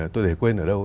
tôi để quên ở đâu